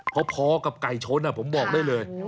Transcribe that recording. เพราะพอกับไก่ช้นน่ะผมบอกได้เลย